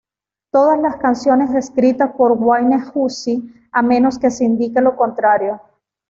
Todas las canciones escritas por Wayne Hussey, a menos que se indique lo contrario.